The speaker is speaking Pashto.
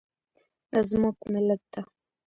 دا زموږ ملت ده